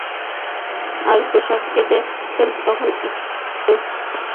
আর পোশাক কেটে ফেললে তখন ইজ্জত।